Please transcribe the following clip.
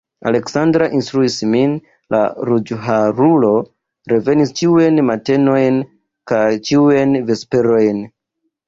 Aleksandra instruis min, la ruĝharulo revenis ĉiujn matenojn kaj ĉiujn vesperojn.